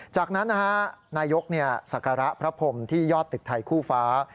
จากนั้นนายกศักระพระพรมที่ยอดตึกไทยคู่ฟ้า